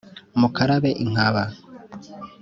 Mukarabe inkaba